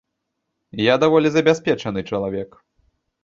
Я даволі забяспечаны чалавек.